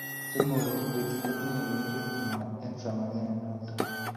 Somok, kokwet kotinye kereet ngwai eng somanet noto.